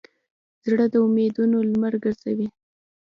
زړه د امیدونو لمر ګرځوي.